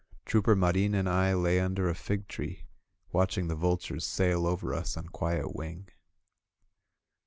Trooper Marin and I lay under a fig tree, watching the vultures sail over us on quiet wing.